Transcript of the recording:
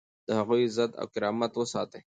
د هغوی عزت او کرامت وساتئ.